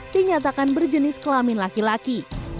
dinyatakan berjenis kelamin laki laki